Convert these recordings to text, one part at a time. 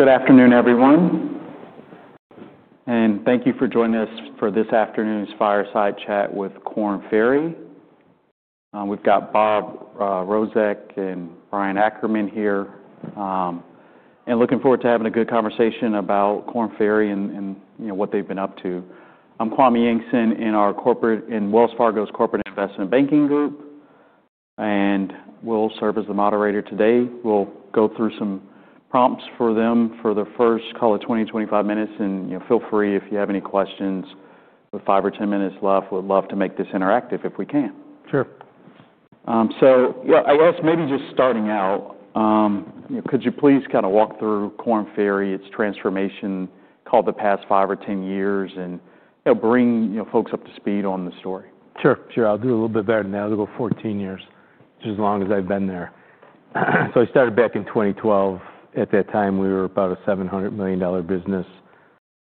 Good afternoon, everyone. Thank you for joining us for this afternoon's fireside chat with Korn Ferry. We've got Bob Rozek and Bryan Ackerman here, and looking forward to having a good conversation about Korn Ferry and, you know, what they've been up to. I'm Kwame Yingson in our corporate, in Wells Fargo's corporate investment banking group, and will serve as the moderator today. We'll go through some prompts for them for the first, call it, 20-25 minutes. You know, feel free if you have any questions. With five or 10 minutes left, we'd love to make this interactive if we can. Sure. So, you know, I guess maybe just starting out, you know, could you please kinda walk through Korn Ferry, its transformation, call it the past five or ten years, and, you know, bring, you know, folks up to speed on the story? Sure. Sure. I'll do a little bit better than that. I'll go 14 years, which is as long as I've been there. I started back in 2012. At that time, we were about a $700 million business.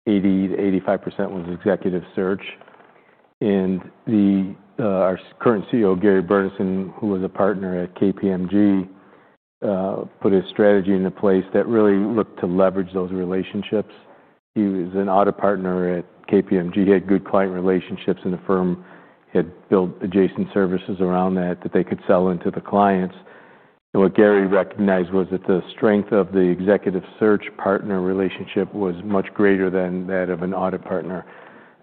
80%-85% was executive search. Our current CEO, Gary Burnison, who was a partner at KPMG, put his strategy into place that really looked to leverage those relationships. He was an audit partner at KPMG. He had good client relationships in the firm. He had built adjacent services around that that they could sell into the clients. What Gary recognized was that the strength of the executive search partner relationship was much greater than that of an audit partner.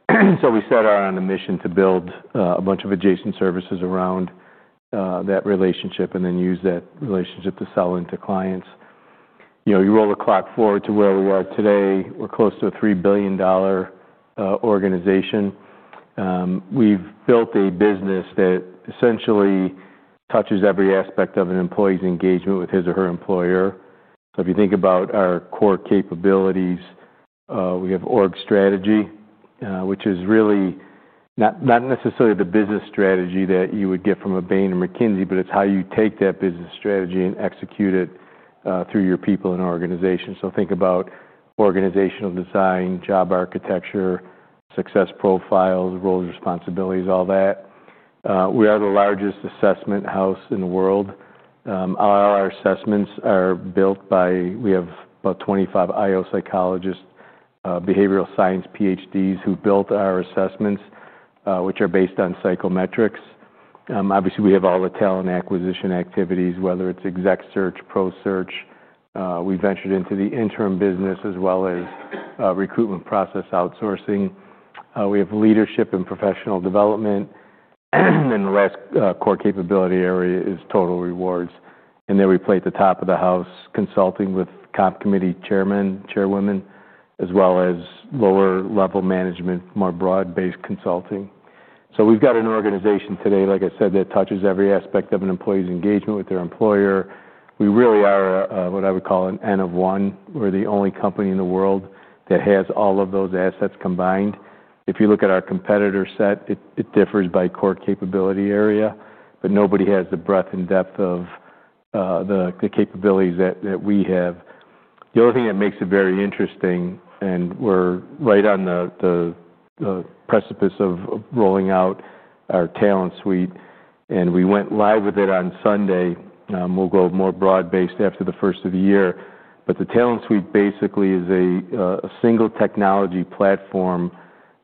We set out on a mission to build a bunch of adjacent services around that relationship and then use that relationship to sell into clients. You know, you roll the clock forward to where we are today. We're close to a $3 billion organization. We've built a business that essentially touches every aspect of an employee's engagement with his or her employer. If you think about our core capabilities, we have org strategy, which is really not, not necessarily the business strategy that you would get from a Bain or McKinsey, but it's how you take that business strategy and execute it through your people and organization. Think about organizational design, job architecture, success profiles, roles, responsibilities, all that. We are the largest assessment house in the world. All our assessments are built by, we have about 25 I/O psychologists, behavioral science PhDs who built our assessments, which are based on psychometrics. Obviously, we have all the talent acquisition activities, whether it's exec search, pro search. We've ventured into the interim business as well as recruitment process outsourcing. We have leadership and professional development. The last core capability area is total rewards. We play at the top of the house, consulting with comp committee chairman, chairwoman, as well as lower-level management, more broad-based consulting. We've got an organization today, like I said, that touches every aspect of an employee's engagement with their employer. We really are, what I would call, an N of 1. We're the only company in the world that has all of those assets combined. If you look at our competitor set, it differs by core capability area, but nobody has the breadth and depth of the capabilities that we have. The other thing that makes it very interesting, and we're right on the precipice of rolling out our Talent Suite, and we went live with it on Sunday. We'll go more broad-based after the first of the year. The Talent Suite basically is a single technology platform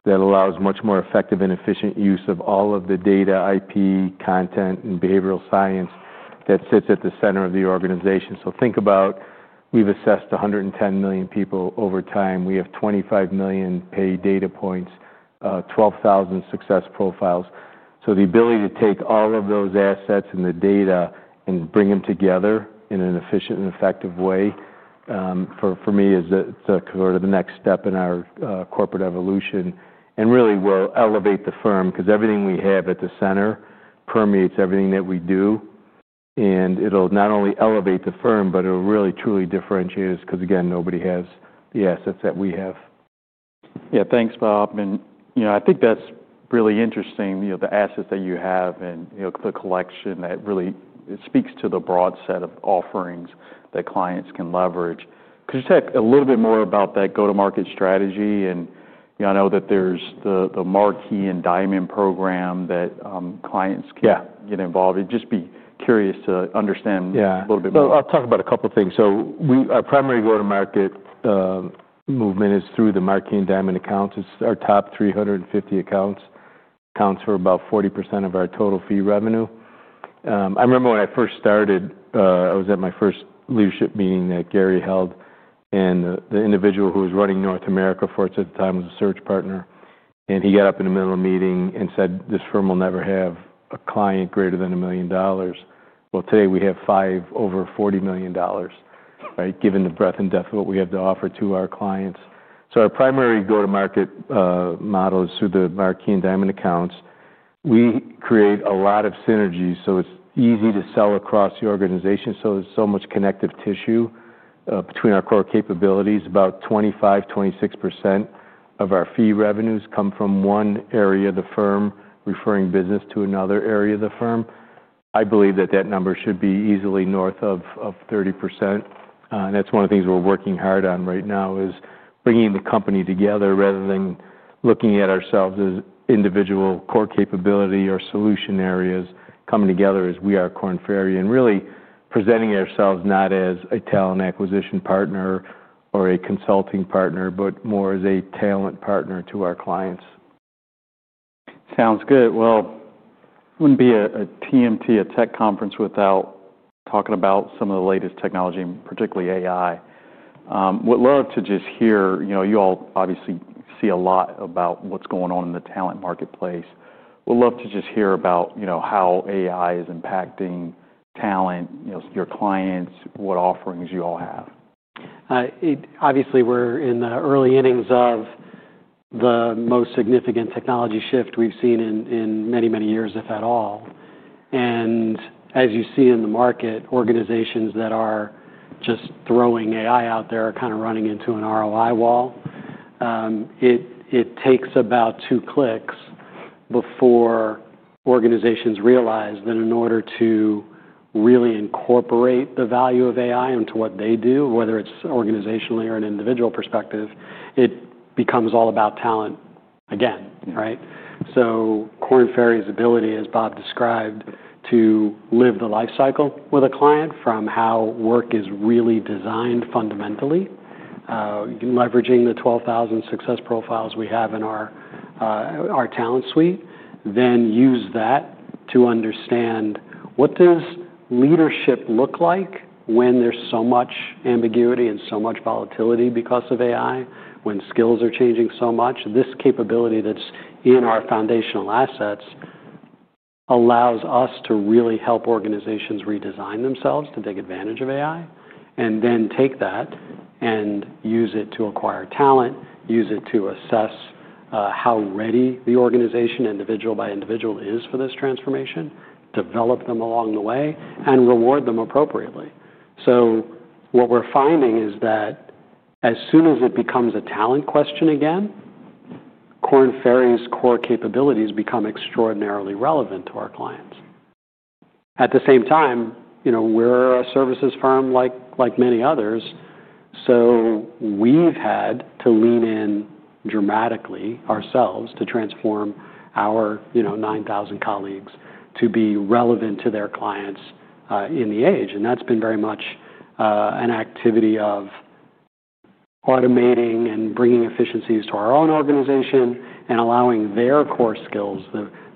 that allows much more effective and efficient use of all of the data, IP, content, and behavioral science that sits at the center of the organization. Think about we've assessed 110 million people over time. We have 25 million paid data points, 12,000 Success Profiles. The ability to take all of those assets and the data and bring them together in an efficient and effective way, for me, is sort of the next step in our corporate evolution. Really, we'll elevate the firm because everything we have at the center permeates everything that we do. It will not only elevate the firm, but it will really, truly differentiate us because, again, nobody has the assets that we have. Yeah. Thanks, Bob. You know, I think that's really interesting, you know, the assets that you have and, you know, the collection that really speaks to the broad set of offerings that clients can leverage. Could you talk a little bit more about that go-to-market strategy? You know, I know that there's the marquee and diamond program that clients can. Yeah. Get involved. I'd just be curious to understand. A little bit more. I'll talk about a couple of things. Our primary go-to-market movement is through the marquee and diamond accounts. It's our top 350 accounts. Accounts for about 40% of our total fee revenue. I remember when I first started, I was at my first leadership meeting that Gary held. The individual who was running North America for us at the time was a search partner. He got up in the middle of the meeting and said, "This firm will never have a client greater than $1 million." Today we have five over $40 million, right, given the breadth and depth of what we have to offer to our clients. Our primary go-to-market model is through the marquee and diamond accounts. We create a lot of synergies, so it's easy to sell across the organization. There's so much connective tissue between our core capabilities. About 25%-26% of our fee revenues come from one area of the firm referring business to another area of the firm. I believe that that number should be easily north of 30%. That's one of the things we're working hard on right now, bringing the company together rather than looking at ourselves as individual core capability or solution areas, coming together as we are Korn Ferry and really presenting ourselves not as a talent acquisition partner or a consulting partner, but more as a talent partner to our clients. Sounds good. It wouldn't be a TMT, a tech conference without talking about some of the latest technology, particularly AI. We'd love to just hear, you know, you all obviously see a lot about what's going on in the talent marketplace. We'd love to just hear about, you know, how AI is impacting talent, you know, your clients, what offerings you all have. It obviously, we're in the early innings of the most significant technology shift we've seen in, in many, many years, if at all. As you see in the market, organizations that are just throwing AI out there are kinda running into an ROI wall. It takes about two clicks before organizations realize that in order to really incorporate the value of AI into what they do, whether it's organizationally or an individual perspective, it becomes all about talent again, right? Korn Ferry's ability, as Bob described, to live the life cycle with a client from how work is really designed fundamentally, leveraging the 12,000 Success Profiles we have in our Talent Suite, then use that to understand what does leadership look like when there's so much ambiguity and so much volatility because of AI, when skills are changing so much. This capability that's in our foundational assets allows us to really help organizations redesign themselves to take advantage of AI and then take that and use it to acquire talent, use it to assess how ready the organization, individual by individual, is for this transformation, develop them along the way, and reward them appropriately. What we're finding is that as soon as it becomes a talent question again, Korn Ferry's core capabilities become extraordinarily relevant to our clients. At the same time, you know, we're a services firm like, like many others. We've had to lean in dramatically ourselves to transform our, you know, 9,000 colleagues to be relevant to their clients, in the age. That's been very much an activity of automating and bringing efficiencies to our own organization and allowing their core skills,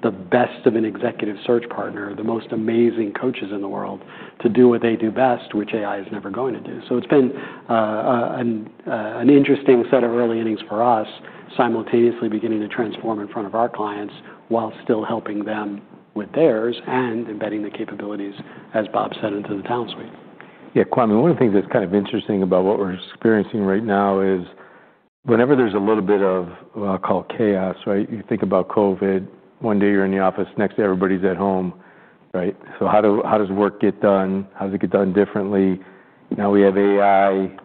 the best of an executive search partner, the most amazing coaches in the world, to do what they do best, which AI is never going to do. It's been an interesting set of early innings for us simultaneously beginning to transform in front of our clients while still helping them with theirs and embedding the capabilities, as Bob said, into the Talent Suite. Yeah. Kwame, one of the things that's kind of interesting about what we're experiencing right now is whenever there's a little bit of, I'll call it chaos, right? You think about COVID. One day you're in the office, next day everybody's at home, right? How does work get done? How does it get done differently? Now we have AI.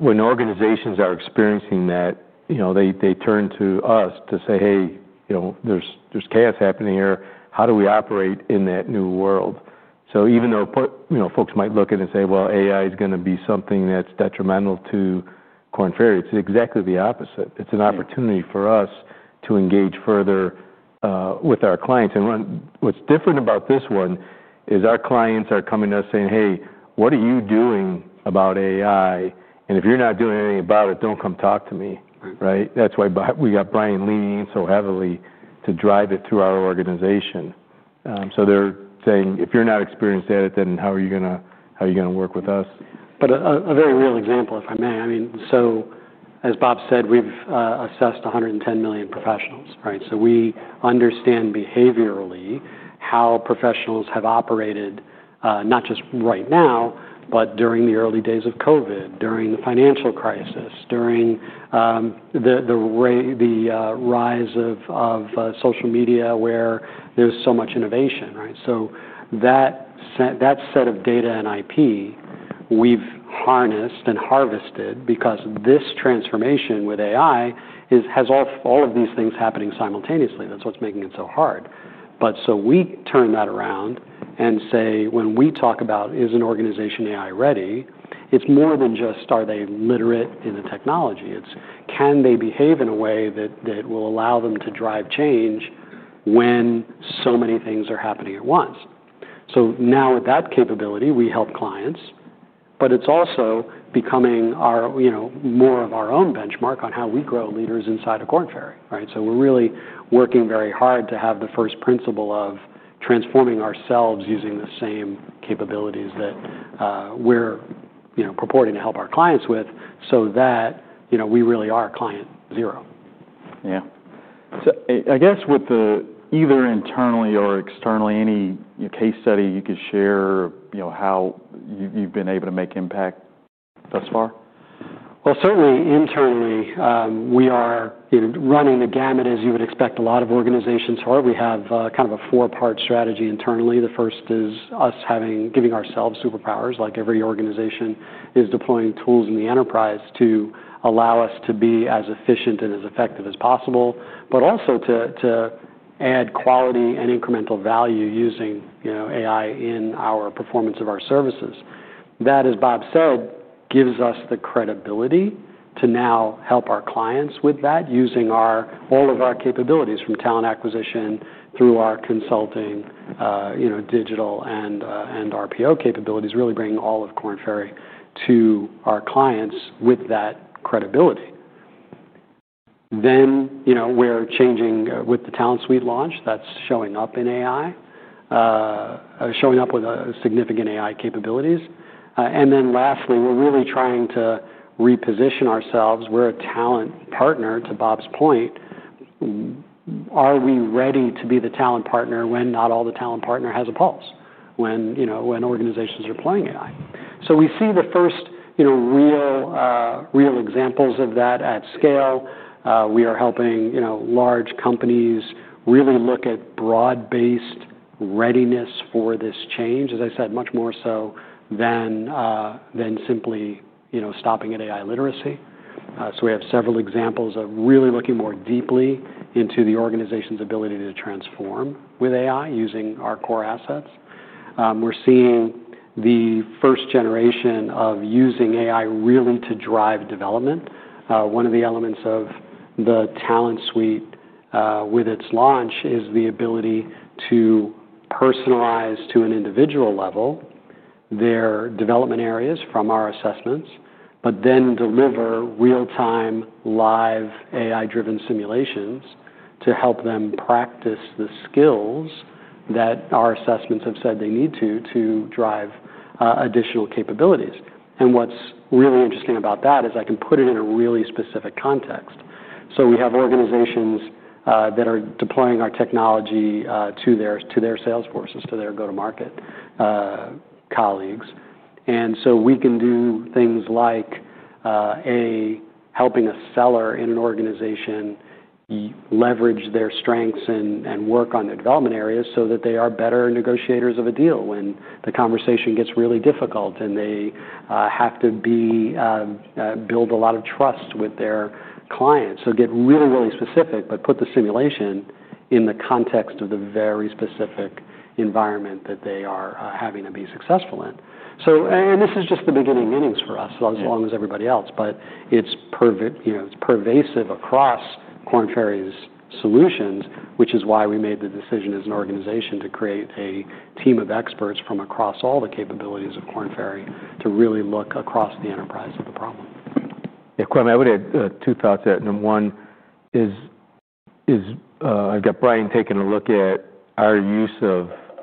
When organizations are experiencing that, you know, they turn to us to say, "Hey, you know, there's chaos happening here. How do we operate in that new world?" Even though, you know, folks might look at it and say, "Well, AI's gonna be something that's detrimental to Korn Ferry," it's exactly the opposite. It's an opportunity for us to engage further, with our clients. What's different about this one is our clients are coming to us saying, "Hey, what are you doing about AI? And if you're not doing anything about it, don't come talk to me," right? That's why we got Bryan Lee in so heavily to drive it through our organization. They're saying, "If you're not experienced at it, then how are you gonna work with us? A very real example, if I may. I mean, as Bob said, we've assessed 110 million professionals, right? We understand behaviorally how professionals have operated, not just right now, but during the early days of COVID, during the financial crisis, during the rise of social media where there's so much innovation, right? That set of data and IP we've harnessed and harvested because this transformation with AI has all of these things happening simultaneously. That's what's making it so hard. We turn that around and say, when we talk about, "Is an organization AI-ready?" it's more than just, "Are they literate in the technology?" It's, "Can they behave in a way that will allow them to drive change when so many things are happening at once?" Now with that capability, we help clients, but it's also becoming our, you know, more of our own benchmark on how we grow leaders inside of Korn Ferry, right? We're really working very hard to have the first principle of transforming ourselves using the same capabilities that we're, you know, purporting to help our clients with so that, you know, we really are client zero. Yeah. So I guess with the either internally or externally, any case study you could share, you know, how you've, you've been able to make impact thus far? Certainly internally, we are, you know, running the gamut as you would expect a lot of organizations to. We have kind of a four-part strategy internally. The first is us giving ourselves superpowers, like every organization is deploying tools in the enterprise to allow us to be as efficient and as effective as possible, but also to add quality and incremental value using, you know, AI in our performance of our services. That, as Bob Rozek said, gives us the credibility to now help our clients with that using all of our capabilities from talent acquisition through our consulting, digital, and RPO capabilities, really bringing all of Korn Ferry to our clients with that credibility. You know, we're changing, with the Talent Suite launch, that's showing up in AI, showing up with significant AI capabilities. And then lastly, we're really trying to reposition ourselves. We're a talent partner, to Bob's point. Are we ready to be the talent partner when not all the talent partner has a pulse, when, you know, when organizations are deploying AI? We see the first, you know, real, real examples of that at scale. We are helping, you know, large companies really look at broad-based readiness for this change, as I said, much more so than, than simply, you know, stopping at AI literacy. We have several examples of really looking more deeply into the organization's ability to transform with AI using our core assets. We're seeing the first generation of using AI really to drive development. One of the elements of the Talent Suite, with its launch, is the ability to personalize to an individual level their development areas from our assessments, but then deliver real-time, live AI-driven simulations to help them practice the skills that our assessments have said they need to, to drive additional capabilities. What's really interesting about that is I can put it in a really specific context. We have organizations that are deploying our technology to their sales forces, to their go-to-market colleagues. We can do things like, A, helping a seller in an organization leverage their strengths and work on the development areas so that they are better negotiators of a deal when the conversation gets really difficult and they have to build a lot of trust with their clients. Get really, really specific, but put the simulation in the context of the very specific environment that they are having to be successful in. This is just the beginning innings for us as long as everybody else, but it's pervasive, you know, it's pervasive across Korn Ferry's solutions, which is why we made the decision as an organization to create a team of experts from across all the capabilities of Korn Ferry to really look across the enterprise of the problem. Yeah. Kwame, I would add, two thoughts to that. Number one is, I've got Bryan taking a look at our use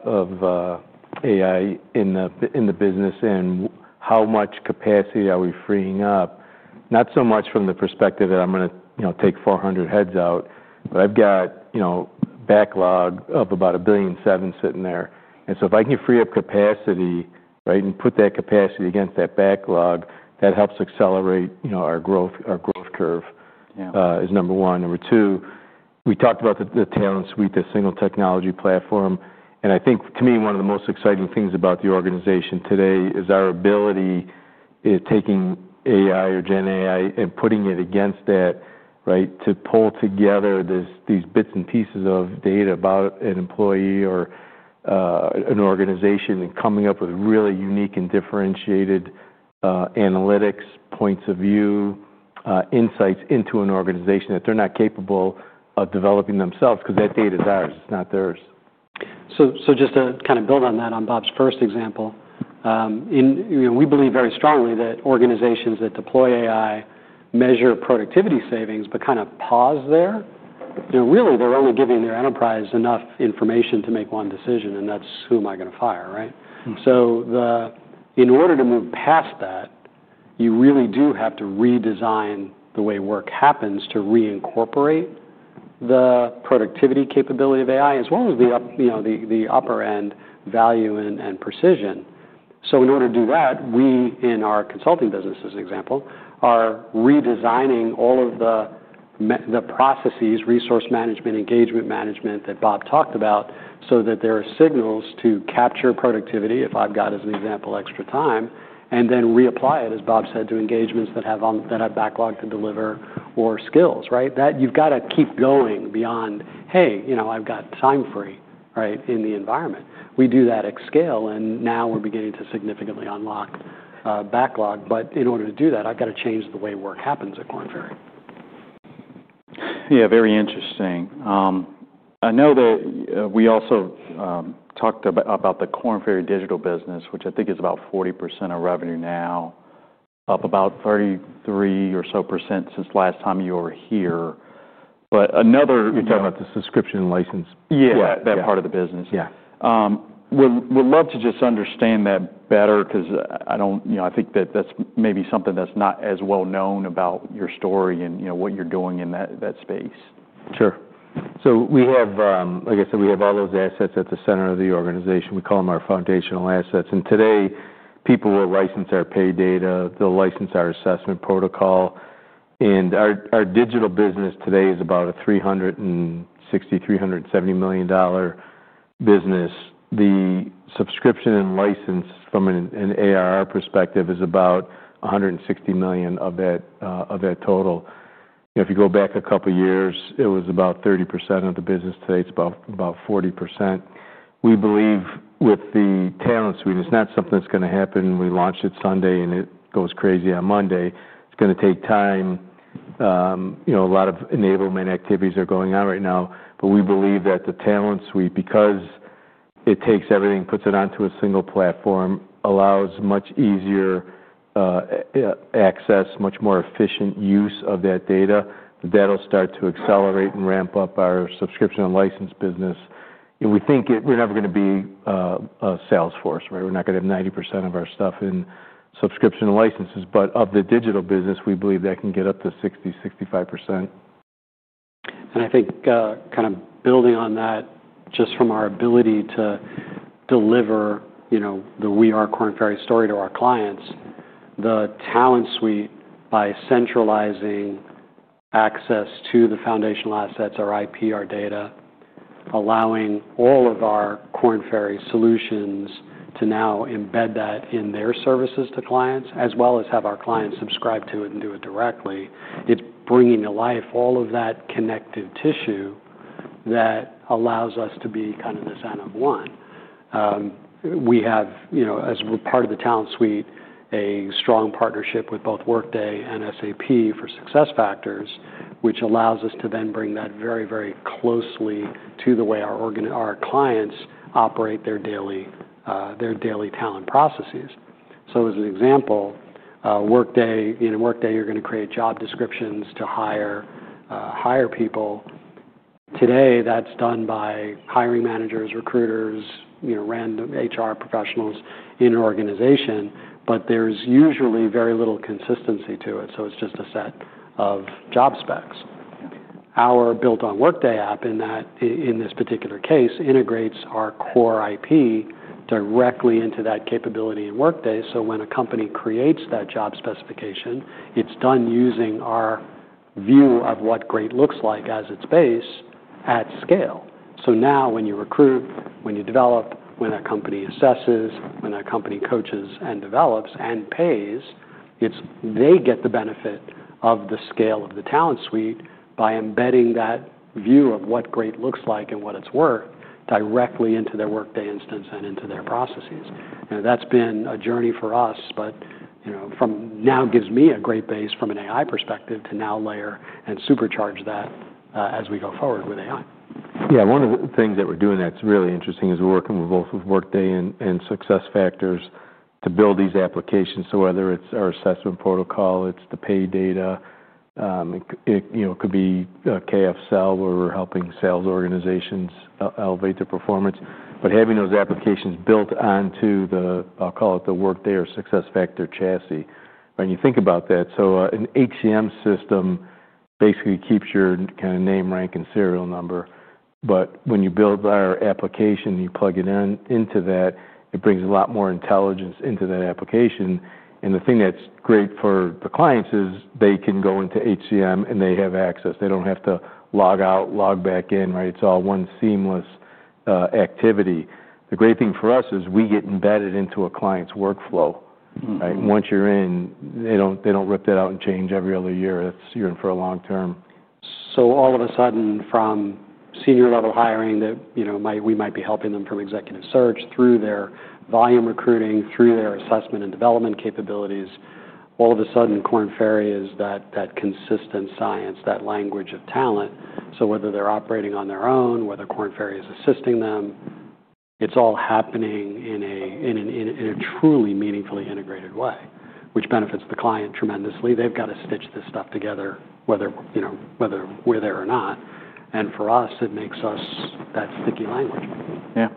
of AI in the business and how much capacity are we freeing up, not so much from the perspective that I'm gonna, you know, take 400 heads out, but I've got, you know, backlog of about $1.7 billion sitting there. And so if I can free up capacity, right, and put that capacity against that backlog, that helps accelerate, you know, our growth, our growth curve. Yeah. Is number one. Number two, we talked about the talent suite, the single technology platform. I think to me, one of the most exciting things about the organization today is our ability is taking AI or Gen AI and putting it against that, right, to pull together these bits and pieces of data about an employee or an organization and coming up with really unique and differentiated analytics, points of view, insights into an organization that they're not capable of developing themselves 'cause that data's ours. It's not theirs. So, just to kinda build on that, on Bob's first example, in, you know, we believe very strongly that organizations that deploy AI measure productivity savings, but kinda pause there. You know, really, they're only giving their enterprise enough information to make one decision, and that's, "Who am I gonna fire?" Right? In order to move past that, you really do have to redesign the way work happens to reincorporate the productivity capability of AI as well as the, you know, the upper end value and, and precision. In order to do that, we in our consulting business, as an example, are redesigning all of the processes, resource management, engagement management that Bob talked about so that there are signals to capture productivity, if I've got, as an example, extra time, and then reapply it, as Bob said, to engagements that have backlog to deliver or skills, right? That you've gotta keep going beyond, "Hey, you know, I've got time free," right, in the environment. We do that at scale, and now we're beginning to significantly unlock backlog. In order to do that, I've gotta change the way work happens at Korn Ferry. Yeah. Very interesting. I know that we also talked about the Korn Ferry digital business, which I think is about 40% of revenue now, up about 33% or so since last time you were here. Another. You're talking about the subscription license? Yeah. Yeah. That part of the business. Yeah. Would love to just understand that better 'cause I don't, you know, I think that that's maybe something that's not as well known about your story and, you know, what you're doing in that space. Sure. Like I said, we have all those assets at the center of the organization. We call them our foundational assets. Today, people will license our pay data, they'll license our assessment protocol. Our digital business today is about a $360 million-$370 million business. The subscription and license from an ARR perspective is about $160 million of that total. You know, if you go back a couple years, it was about 30% of the business. Today, it's about 40%. We believe with the Talent Suite, it's not something that's gonna happen. We launched it Sunday, and it goes crazy on Monday. It's gonna take time. You know, a lot of enablement activities are going on right now, but we believe that the Talent Suite, because it takes everything, puts it onto a single platform, allows much easier access, much more efficient use of that data, that will start to accelerate and ramp up our subscription and license business. We think it, we're never gonna be Salesforce, right? We're not gonna have 90% of our stuff in subscription and licenses. Of the digital business, we believe that can get up to 60%-65%. I think, kinda building on that, just from our ability to deliver, you know, the "We are Korn Ferry" story to our clients, the Talent Suite, by centralizing access to the foundational assets, our IP, our data, allowing all of our Korn Ferry solutions to now embed that in their services to clients, as well as have our clients subscribe to it and do it directly, it's bringing to life all of that connective tissue that allows us to be kind of this end of one. We have, you know, as we're part of the Talent Suite, a strong partnership with both Workday and SAP for SuccessFactors, which allows us to then bring that very, very closely to the way our clients operate their daily, their daily talent processes. As an example, Workday, you know, Workday, you're gonna create job descriptions to hire, hire people. Today, that's done by hiring managers, recruiters, you know, random HR professionals in an organization, but there's usually very little consistency to it. It's just a set of job specs. Our built-on Workday app, in that, in this particular case, integrates our core IP directly into that capability in Workday. When a company creates that job specification, it's done using our view of what great looks like as its base at scale. Now when you recruit, when you develop, when a company assesses, when a company coaches and develops and pays, they get the benefit of the scale of the Talent Suite by embedding that view of what great looks like and what it's worth directly into their Workday instance and into their processes. That's been a journey for us, but, you know, from now gives me a great base from an AI perspective to now layer and supercharge that, as we go forward with AI. Yeah. One of the things that we're doing that's really interesting is we're working with both Workday and SuccessFactors to build these applications. Whether it's our assessment protocol, it's the pay data, it, you know, it could be KF Sell, where we're helping sales organizations elevate their performance. Having those applications built onto the, I'll call it the Workday or SuccessFactors chassis, when you think about that, an HCM system basically keeps your kind of name, rank, and serial number. When you build our application, you plug it in into that, it brings a lot more intelligence into that application. The thing that's great for the clients is they can go into HCM and they have access. They don't have to log out, log back in, right? It's all one seamless activity. The great thing for us is we get embedded into a client's workflow. Mm-hmm. Right? Once you're in, they don't rip that out and change every other year. It's you're in for a long-term. All of a sudden, from senior-level hiring that, you know, we might be helping them from executive search through their volume recruiting, through their assessment and development capabilities, all of a sudden, Korn Ferry is that consistent science, that language of talent. Whether they're operating on their own, whether Korn Ferry is assisting them, it's all happening in a truly meaningfully integrated way, which benefits the client tremendously. They've gotta stitch this stuff together, whether we're there or not. For us, it makes us that sticky language. Yeah.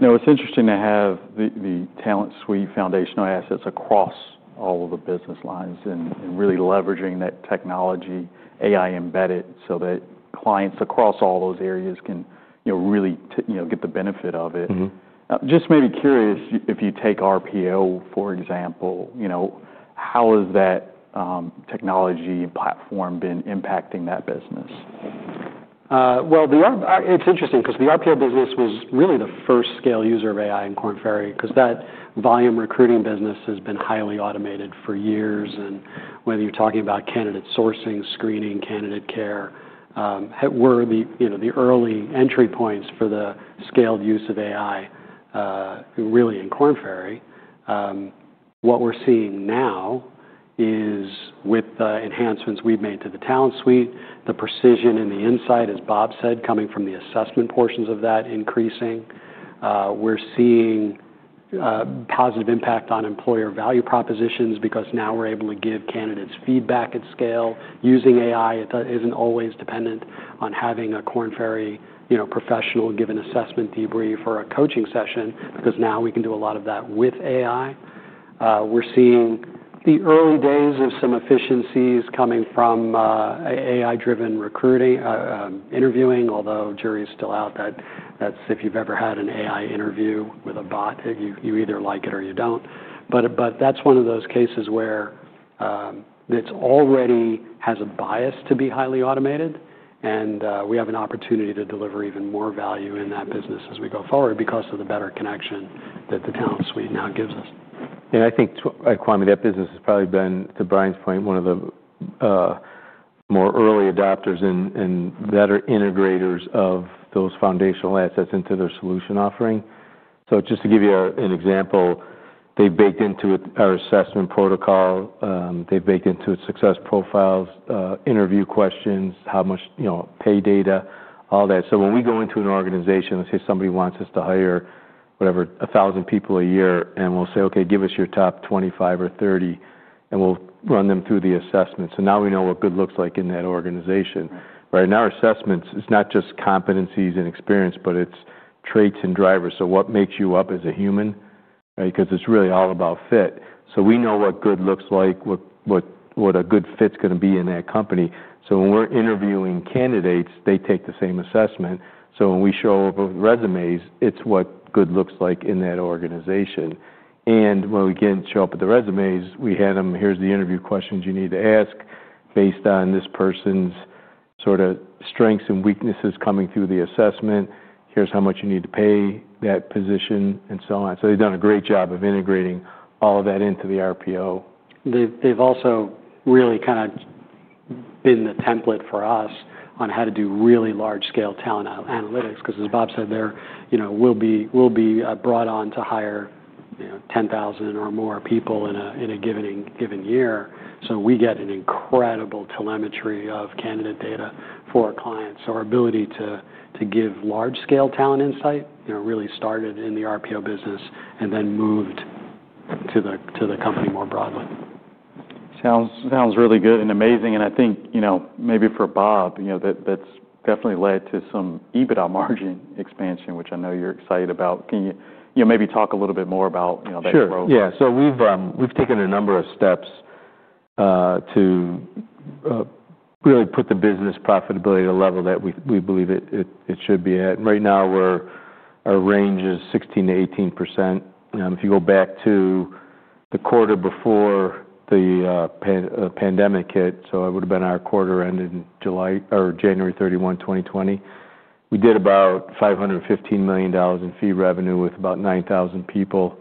No, it's interesting to have the Talent Suite foundational assets across all of the business lines and really leveraging that technology, AI embedded, so that clients across all those areas can, you know, really, you know, get the benefit of it. Mm-hmm. Just maybe curious, if you take RPO, for example, you know, how has that technology platform been impacting that business? The RPO, it's interesting 'cause the RPO business was really the first scale user of AI in Korn Ferry 'cause that volume recruiting business has been highly automated for years. And whether you're talking about candidate sourcing, screening, candidate care, were the, you know, the early entry points for the scaled use of AI, really in Korn Ferry. What we're seeing now is with the enhancements we've made to the Talent Suite, the precision and the insight, as Bob said, coming from the assessment portions of that increasing. We're seeing positive impact on employer value propositions because now we're able to give candidates feedback at scale using AI. It isn't always dependent on having a Korn Ferry, you know, professional give an assessment debrief or a coaching session because now we can do a lot of that with AI. We're seeing the early days of some efficiencies coming from AI-driven recruiting, interviewing, although jury's still out. That's if you've ever had an AI interview with a bot, you either like it or you don't. That's one of those cases where that already has a bias to be highly automated. We have an opportunity to deliver even more value in that business as we go forward because of the better connection that the Talent Suite now gives us. I think, Kwame, that business has probably been, to Bryan's point, one of the more early adopters and better integrators of those foundational assets into their solution offering. Just to give you an example, they've baked into it our assessment protocol, they've baked into it Success Profiles, interview questions, how much, you know, pay data, all that. When we go into an organization, let's say somebody wants us to hire, whatever, 1,000 people a year, and we'll say, "Okay, give us your top 25 or 30," and we'll run them through the assessment. Now we know what good looks like in that organization. Right. Right? And our assessments, it's not just competencies and experience, but it's traits and drivers. So what makes you up as a human, right? 'Cause it's really all about fit. We know what good looks like, what a good fit's gonna be in that company. When we're interviewing candidates, they take the same assessment. When we show up with resumes, it's what good looks like in that organization. When we again show up with the resumes, we hand them, "Here's the interview questions you need to ask based on this person's sorta strengths and weaknesses coming through the assessment. Here's how much you need to pay that position," and so on. They've done a great job of integrating all of that into the RPO. They've also really kinda been the template for us on how to do really large-scale talent analytics 'cause, as Bob said, there, you know, we'll be brought on to hire 10,000 or more people in a given year. So we get an incredible telemetry of candidate data for our clients. Our ability to give large-scale talent insight, you know, really started in the RPO business and then moved to the company more broadly. Sounds really good and amazing. I think, you know, maybe for Bob, you know, that that's definitely led to some EBITDA margin expansion, which I know you're excited about. Can you, you know, maybe talk a little bit more about, you know, that. Sure. Growth? Yeah. So we've taken a number of steps to really put the business profitability at a level that we believe it should be at. Right now, our range is 16%-18%. If you go back to the quarter before the pandemic hit, so it would have been our quarter ended in January 31, 2020, we did about $515 million in fee revenue with about 9,000 people.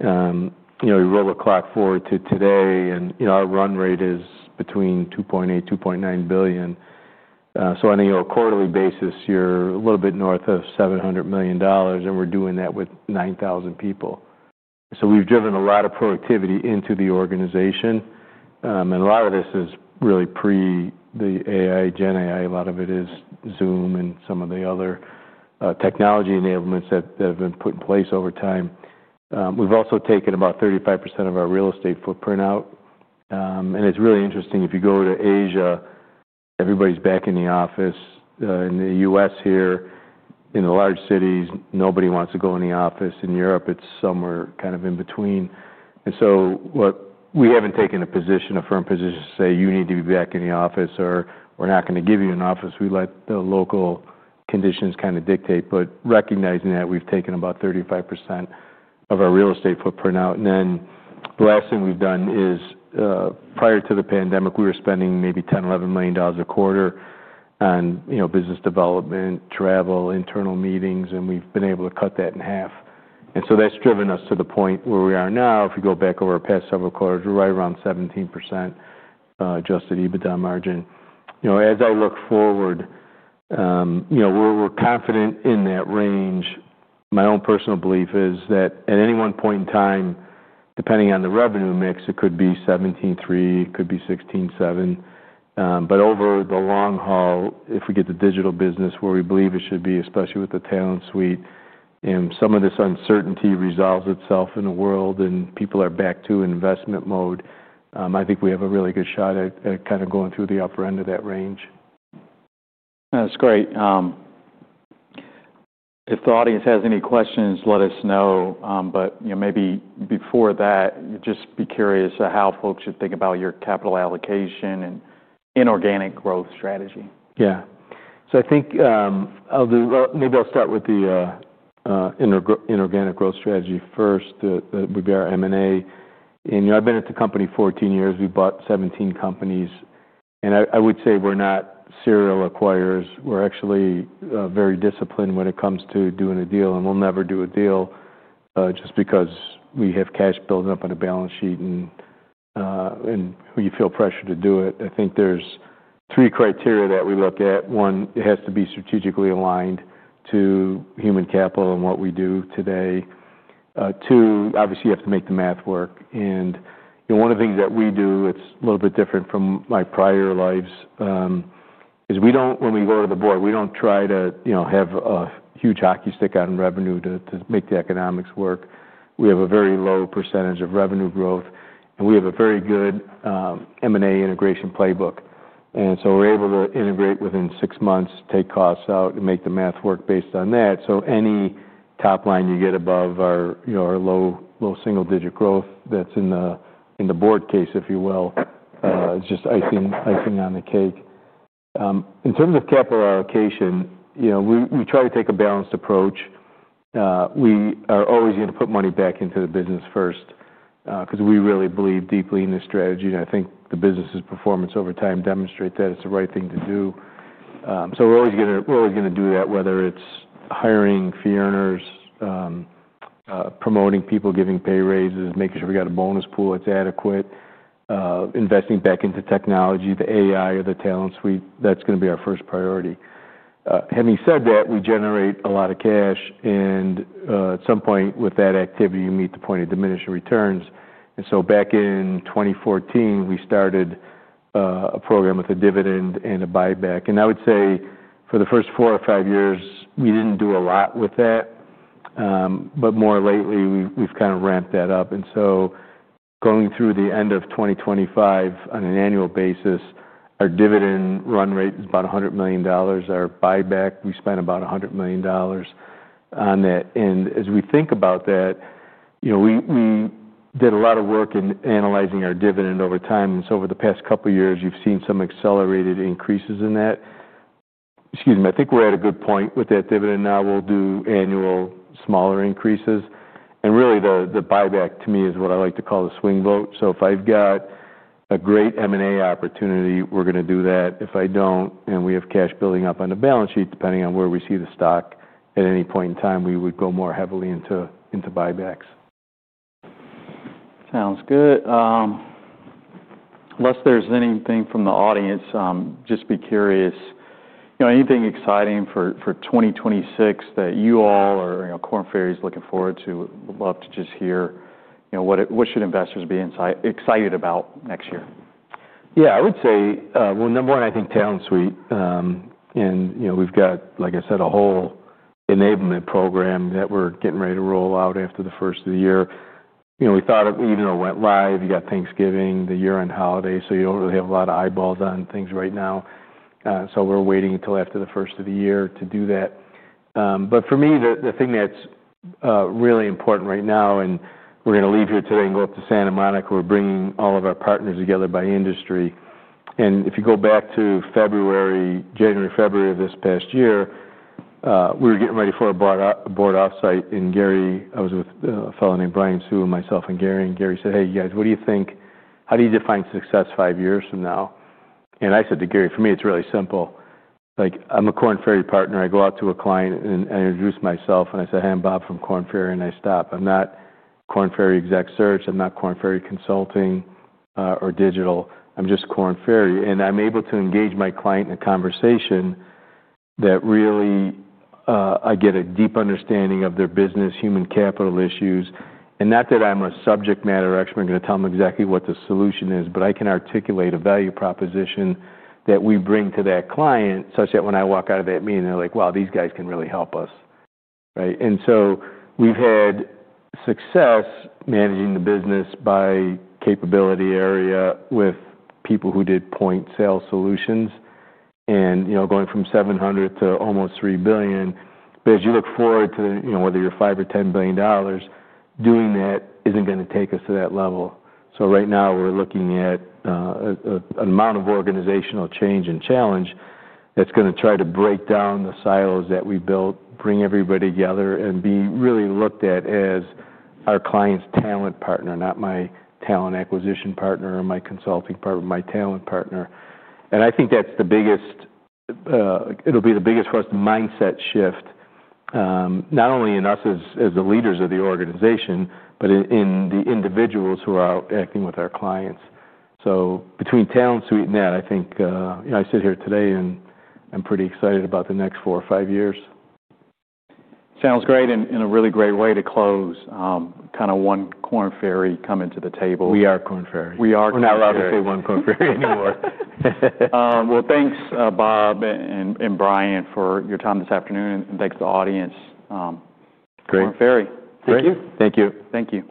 You know, we roll the clock forward to today, and, you know, our run rate is between $2.8 billion-$2.9 billion. On a quarterly basis, you're a little bit north of $700 million, and we're doing that with 9,000 people. We've driven a lot of productivity into the organization, and a lot of this is really pre the AI, Gen AI. A lot of it is Zoom and some of the other technology enablements that have been put in place over time. We've also taken about 35% of our real estate footprint out. It's really interesting. If you go to Asia, everybody's back in the office. In the U.S., here in the large cities, nobody wants to go in the office. In Europe, it's somewhere kind of in between. We haven't taken a firm position to say, "You need to be back in the office," or, "We're not gonna give you an office." We let the local conditions kind of dictate. Recognizing that, we've taken about 35% of our real estate footprint out. The last thing we've done is, prior to the pandemic, we were spending maybe $10 million, $11 million a quarter on, you know, business development, travel, internal meetings, and we've been able to cut that in half. That has driven us to the point where we are now. If you go back over our past several quarters, we're right around 17% adjusted EBITDA margin. You know, as I look forward, you know, we're confident in that range. My own personal belief is that at any one point in time, depending on the revenue mix, it could be 17.3%, it could be 16.7%. Over the long haul, if we get the digital business where we believe it should be, especially with the Talent Suite, and some of this uncertainty resolves itself in a world and people are back to investment mode, I think we have a really good shot at kinda going through the upper end of that range. That's great. If the audience has any questions, let us know. But, you know, maybe before that, just be curious of how folks should think about your capital allocation and inorganic growth strategy. Yeah. I think I'll do, maybe I'll start with the inorganic growth strategy first, with our M&A. You know, I've been at the company 14 years. We bought 17 companies. I would say we're not serial acquirers. We're actually very disciplined when it comes to doing a deal, and we'll never do a deal just because we have cash building up on a balance sheet and we feel pressured to do it. I think there's three criteria that we look at. One, it has to be strategically aligned to human capital and what we do today. Two, obviously, you have to make the math work. You know, one of the things that we do, it's a little bit different from my prior lives, is we don't, when we go to the board, we don't try to, you know, have a huge hockey stick on revenue to make the economics work. We have a very low percentage of revenue growth, and we have a very good M&A integration playbook. We are able to integrate within six months, take costs out, and make the math work based on that. Any top line you get above our low, low single-digit growth that's in the board case, if you will, is just icing on the cake. In terms of capital allocation, you know, we try to take a balanced approach. We are always gonna put money back into the business first, 'cause we really believe deeply in this strategy. I think the business's performance over time demonstrates that it's the right thing to do. We're always gonna do that, whether it's hiring fee earners, promoting people, giving pay raises, making sure we got a bonus pool that's adequate, investing back into technology, the AI or the Talent Suite. That's gonna be our first priority. Having said that, we generate a lot of cash. At some point with that activity, you meet the point of diminishing returns. Back in 2014, we started a program with a dividend and a buyback. I would say for the first four or five years, we didn't do a lot with that, but more lately, we've kinda ramped that up. Going through the end of 2025, on an annual basis, our dividend run rate is about $100 million. Our buyback, we spent about $100 million on that. As we think about that, you know, we did a lot of work in analyzing our dividend over time. Over the past couple of years, you've seen some accelerated increases in that. Excuse me. I think we're at a good point with that dividend. Now we'll do annual smaller increases. Really, the buyback, to me, is what I like to call the swing vote. If I've got a great M&A opportunity, we're gonna do that. If I don't, and we have cash building up on the balance sheet, depending on where we see the stock at any point in time, we would go more heavily into buybacks. Sounds good. Unless there's anything from the audience, just be curious, you know, anything exciting for 2026 that you all or, you know, Korn Ferry's looking forward to, would love to just hear, you know, what it what should investors be excited about next year? Yeah. I would say, number one, I think Talent Suite, and, you know, we've got, like I said, a whole enablement program that we're getting ready to roll out after the first of the year. You know, we thought it, even though it went live, you got Thanksgiving, the year-end holiday, so you do not really have a lot of eyeballs on things right now. So we're waiting until after the first of the year to do that. For me, the thing that's really important right now, and we're gonna leave here today and go up to Santa Monica. We're bringing all of our partners together by industry. If you go back to January, February of this past year, we were getting ready for a board offsite. Gary, I was with a fellow named Bryan Sue, myself, and Gary. Gary said, "Hey, you guys, what do you think? How do you define success five years from now?" I said to Gary, "For me, it's really simple. Like, I'm a Korn Ferry partner. I go out to a client and introduce myself, and I say, 'Hey, I'm Bob from Korn Ferry,' and I stop. I'm not Korn Ferry Exec Search. I'm not Korn Ferry Consulting, or Digital. I'm just Korn Ferry. I'm able to engage my client in a conversation that really, I get a deep understanding of their business, human capital issues. Not that I'm a subject matter expert gonna tell them exactly what the solution is, but I can articulate a value proposition that we bring to that client such that when I walk out of that meeting, they're like, 'Wow, these guys can really help us.'" Right? We've had success managing the business by capability area with people who did point sale solutions and, you know, going from $700 million to almost $3 billion. As you look forward to, you know, whether you're $5 billion or $10 billion, doing that isn't gonna take us to that level. Right now, we're looking at an amount of organizational change and challenge that's gonna try to break down the silos that we built, bring everybody together, and be really looked at as our client's talent partner, not my talent acquisition partner or my consulting partner, my talent partner. I think that's the biggest, it'll be the biggest for us, the mindset shift, not only in us as the leaders of the organization, but in the individuals who are out acting with our clients. Between Talent Suite and that, I think, you know, I sit here today and I'm pretty excited about the next four or five years. Sounds great, and a really great way to close, kinda one Korn Ferry coming to the table. We are Korn Ferry. We are Korn Ferry. We're not obviously one Korn Ferry anymore. Thanks, Bob and Bryan, for your time this afternoon, and thanks to the audience. Great. Korn Ferry. Thank you. Thank you. Thank you.